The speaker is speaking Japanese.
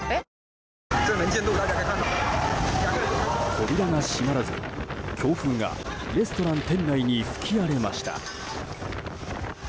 扉が閉まらず強風がレストラン店内に吹き荒れました。